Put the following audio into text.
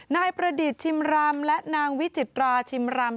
นายประดิษฐ์ชิมรำและนางวิจิตราชิมรำ